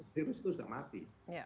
virus itu sudah mati